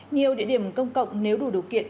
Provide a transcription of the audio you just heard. nhiều địa điểm công cộng nếu đủ điều kiện